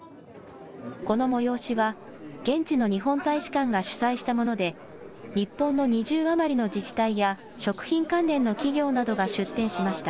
この催しは、現地の日本大使館が主催したもので、日本の２０余りの自治体や、食品関連の企業などが出展しました。